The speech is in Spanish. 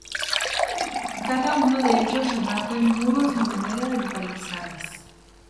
Cada uno de ellos remata en muros a manera de empalizadas.